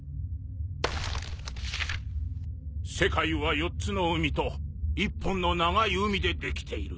「世界は４つの海と１本の長い海でできている」